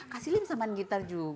kasih liat bisa main gitar juga